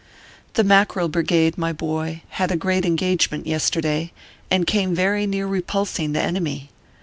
The Mackerel Brigade, my boy, had a great engage ment yesterday, and came very near repulsing the enemy.